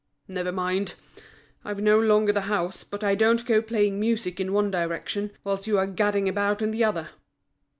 Never mind! I've no longer the house, but I don't go playing music in one direction, whilst you are gadding about in the other.